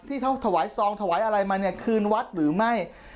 ที่เขาถวายซองถวายอะไรมาเนี่ยคืนวัดหรือไม่